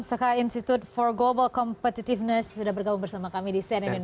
kepala ekonomi soka institute for global competitiveness sudah bergabung bersama kami di sene indonesia